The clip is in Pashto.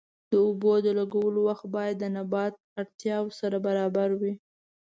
د اوبو د لګولو وخت باید د نبات اړتیاوو سره برابر وي.